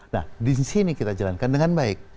nah di sini kita jalankan dengan baik